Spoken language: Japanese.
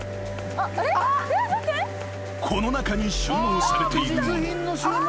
［この中に収納されているもの。